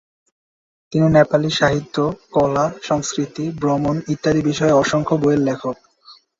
তিনি নেপালি সাহিত্য, কলা, সংস্কৃতি, ভ্রমণ ইত্যাদি বিষয়ের অসংখ্য বইয়ের লেখক।